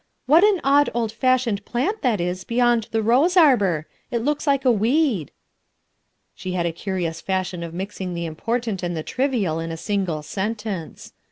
What an odd, old fashioned plant that is beyond the rose arbor; it looks like a weed/ 1 She had a curious fashion of mixing the im portant and the trivial in a single sentence.